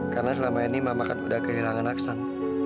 karena selama ini mama kan udah kehilangan aksan